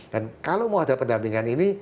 dan kalau mau ada pendampingan ini